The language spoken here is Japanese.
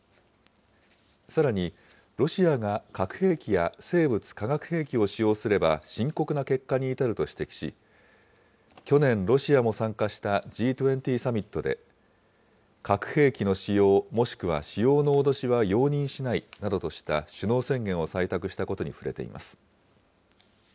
さらに、ロシアが核兵器や生物・化学兵器を使用すれば、深刻な結果に至ると指摘し、去年、ロシアも参加したＧ２０サミットで、核兵器の使用、もしくは使用の脅しは容認しないなどとした首脳宣言を採択したことに触れています。